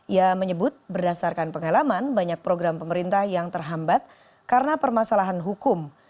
ia menyebut berdasarkan pengalaman banyak program pemerintah yang terhambat karena permasalahan hukum